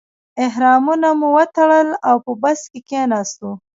احرامونه مو وتړل او په بس کې کیناستو.